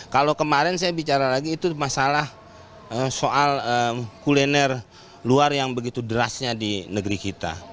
kalau kemarin saya bicara lagi itu masalah soal kuliner luar yang begitu derasnya di negeri kita